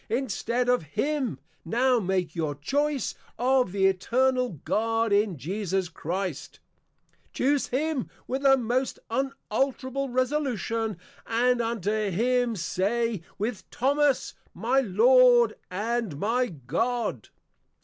Instead of him, now make your Choice of the Eternal God in Jesus Christ; Chuse him with a most unalterable Resolution, and unto him say, with Thomas, _My Lord, and my God!